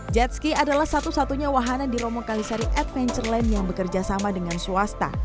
jetski adalah satu satunya wahana di romo kalisari adventureland yang bekerja sama dengan swasta